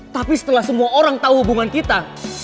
tapi setelah semua orang tahu hubungan kita